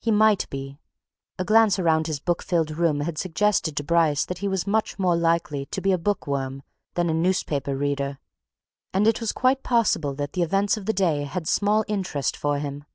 He might be a glance round his book filled room had suggested to Bryce that he was much more likely to be a bookworm than a newspaper reader, and it was quite possible that the events of the day had small interest for him.